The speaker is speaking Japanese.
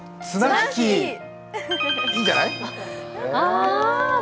いいんじゃない？